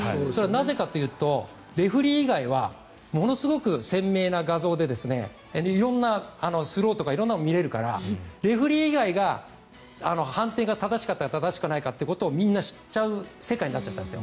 なぜかというとレフェリー以外はものすごく鮮明な画像で色んなスローとか色んなのを見れるからレフェリー以外が判定が正しいか正しくないかみんな知っちゃう世界になっちゃったんです。